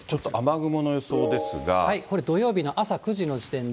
これ土曜日の朝９時の時点で。